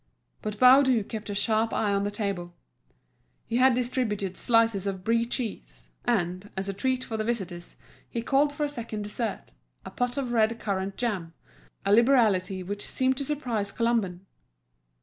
But Baudu kept a sharp eye on the table. He had distributed slices of Brie cheese, and, as a treat for the visitors, he called for a second dessert, a pot of red currant jam, a liberality which seemed to surprise Colomban.